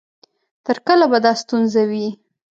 تر کله به دا ستونزه وي؟